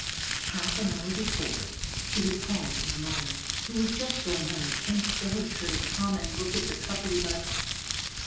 Half an hour before, she had called to her mother, who was just going out, and begged her to come and look at the cupperty buts.